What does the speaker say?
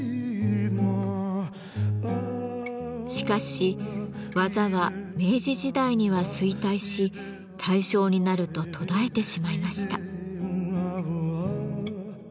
しかし技は明治時代には衰退し大正になると途絶えてしまいました。